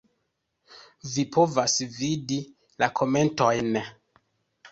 Vi povas vidi la komentojn.